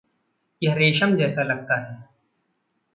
यह रेशम जैसा लगता है।